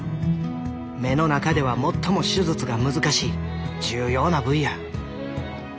目の中では最も手術が難しい重要な部位や。